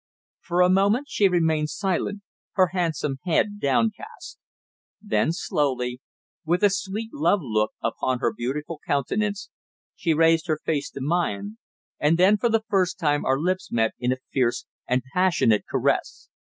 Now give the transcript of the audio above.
For a moment she remained silent, her handsome head downcast. Then slowly, with a sweet love look upon her beautiful countenance, she raised her face to mine, and then for the first time our lips met in a fierce and passionate caress.